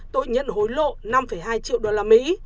tội nhận hối lộ năm hai triệu usd